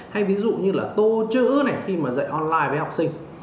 hay ví dụ như là tô chữ này khi mà dạy online với học sinh